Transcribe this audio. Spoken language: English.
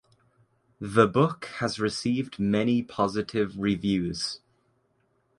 The book has received many positive reviews.